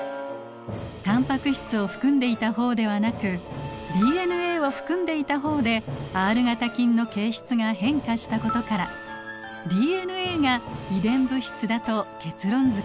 タンパク質を含んでいた方ではなくＤＮＡを含んでいた方でＲ型菌の形質が変化したことからＤＮＡが遺伝物質だと結論づけられたのです。